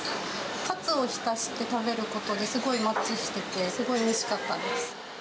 カツを浸して食べることで、すごいマッチしてて、すごいおいしかったです。